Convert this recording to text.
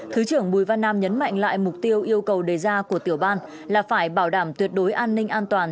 thứ trưởng bùi văn nam nhấn mạnh lại mục tiêu yêu cầu đề ra của tiểu ban là phải bảo đảm tuyệt đối an ninh an toàn